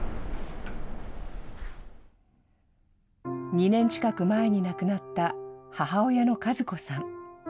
２年近く前に亡くなった、母親の佳津子さん。